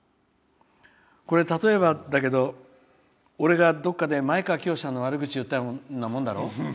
これ、例えばだけど俺が、どっかで前川清さんの悪口を言ったようなもんだろ。